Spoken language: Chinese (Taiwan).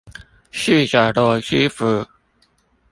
逝者羅斯福